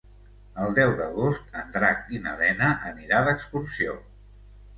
El deu d'agost en Drac i na Lena aniran d'excursió.